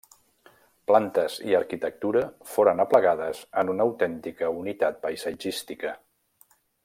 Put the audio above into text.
Plantes i arquitectura foren aplegades en una autèntica unitat paisatgística.